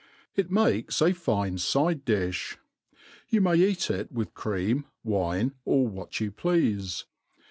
It makes a fine fide difh. You may eat it with cream, wine, or what you pleafe.